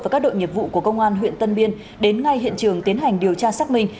và các đội nghiệp vụ của công an huyện tân biên đến ngay hiện trường tiến hành điều tra xác minh